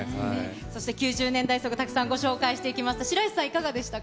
そして９０年代ソングたくさんご紹介してきました、白石さん、いかがでしたか？